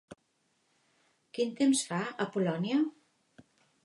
Quin temps fa a Polònia?